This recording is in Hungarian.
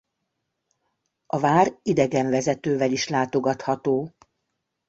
A vár idegenvezetővel is látogatható.